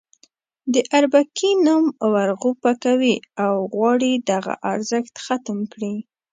د اربکي نوم ورغوپه کوي او غواړي دغه ارزښت ختم کړي.